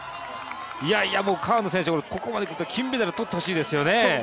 川野選手、ここまでいくと金メダルとってほしいですね。